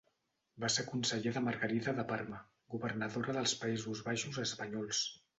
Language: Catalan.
Va ser conseller de Margarida de Parma, governadora dels Països Baixos espanyols.